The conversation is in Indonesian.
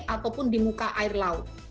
ataupun di muka air laut